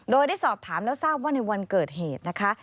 โดยได้สอบถามแล้วทราบว่าในวันเกิดเหตุนะคะ